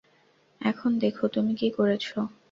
এখন দেখো তুমি কি করেছো।